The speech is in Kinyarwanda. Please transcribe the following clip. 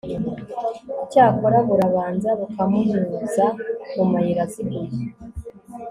icyakora burabanza bukamunyuza mu mayira aziguye